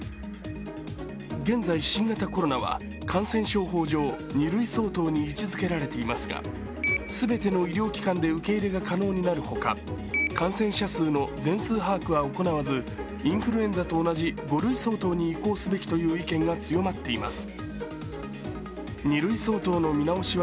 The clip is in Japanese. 現在、新型コロナは感染症法上２類相当に位置づけられていますが全ての医療機関で受け入れが可能になるほか、感染者数の全数把握は行わずインフルエンザと同じ５類相当に移行すべきとの意見が強まっています。